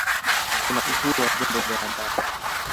kuna uhuru wa vyombo vya habari